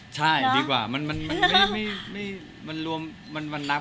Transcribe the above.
ใช่ดีกว่ามันรวมมันนับ